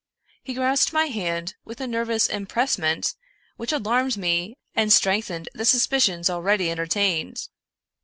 He grasped my hand with a nervous em pressement which alarmed me and strengthened the sus picions already entertained.